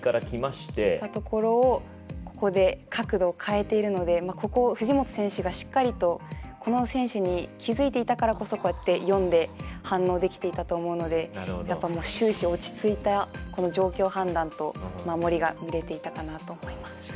きたところをここで角度を変えているので藤本選手がしっかりとこの選手に気づいていたからこそこうやって読んで反応できていたと思うので終始落ち着いた、この状況判断と守りが見れていたかなと思います。